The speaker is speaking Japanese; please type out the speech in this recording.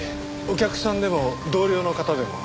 お客さんでも同僚の方でも。